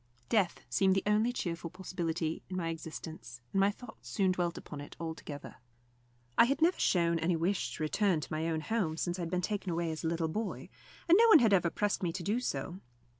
Death seemed the only cheerful possibility in my existence, and my thoughts soon dwelt upon it altogether. I had never shown any wish to return to my own home since I had been taken away as a little boy, and no one had ever pressed me to do so.